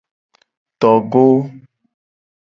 Togo.